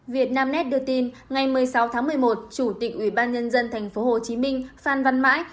việt nam net đưa tin ngày một mươi sáu tháng một mươi một chủ tịch ubnd tp hcm phan văn mãi